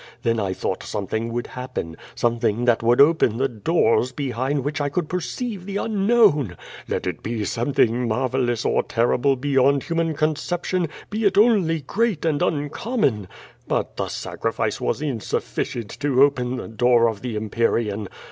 Then I thought something would happen, something that would op«'n the doors behind which I could perceive the unknown. Let it be something marvelous or rr 302 Of'O VADfS. terrible beyond human conception, be it only great and un common! But the sacrifice was insufficient to ojjen the door of the Empyrean.